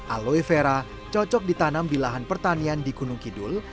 aloe vera cocok ditanam di lahan pertanian di gunung kidul